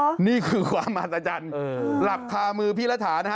นี่คือความอัศจรรย์หลับคามือพี่รัฐานะฮะ